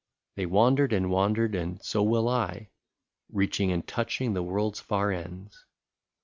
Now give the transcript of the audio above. " They wandered and wandered, and so will I, Reaching and touching the world's far ends.